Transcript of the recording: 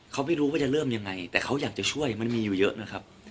เขาไม่รู้ว่าจะเริ่มยังไงแต่เขาอยากจะช่วยมันมีอยู่เยอะนะครับ